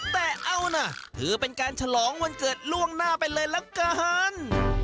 แต่เอานะถือเป็นการฉลองวันเกิดล่วงหน้าไปเลยแล้วกัน